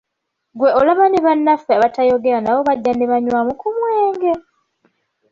Ggwe olaba ne bannaffe abatayogera nabo bagira ne banywamu ku mwenge!